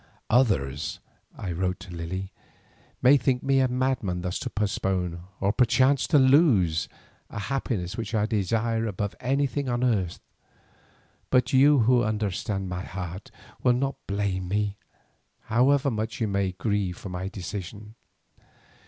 "Others," I wrote to Lily, "may think me a madman thus to postpone, or perchance to lose, a happiness which I desire above anything on earth, but you who understand my heart will not blame me, however much you may grieve for my decision.